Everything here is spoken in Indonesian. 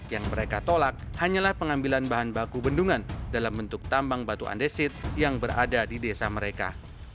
yang mereka tolak hanyalah pengambilan bahan baku bendungan dalam bentuk tambang batu andesit yang berada di desa mereka